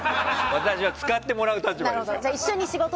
私は使ってもらう立場ですから。